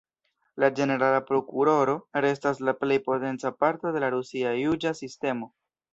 La ĝenerala prokuroro restas la plej potenca parto de la rusia juĝa sistemo.